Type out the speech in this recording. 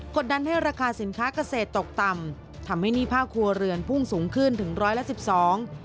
กดดันให้ราคาสินค้ากเศษตกต่ำทำให้หนี้ผ้าครัวเรือนพุ่งสูงขึ้นถึง๑๑๒